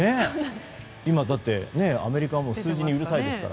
今、だってアメリカ数字にうるさいですから。